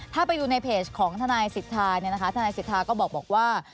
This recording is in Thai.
ถ้าไปดูในเพจของธนายศิษย์ศิษฐาธนายศิษย์ศิษฐาก็บอกว่า